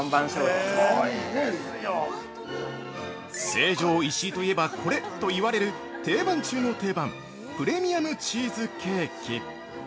◆成城石井といえばコレ！といわれる定番中の定番プレミアムチーズケーキ。